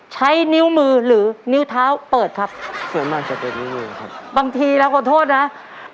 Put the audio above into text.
ใช้นิ้วมือหรือนิ้วเท้าเปิดครับส่วนมากจะเป็นนิ้วมือครับบางทีเราขอโทษนะ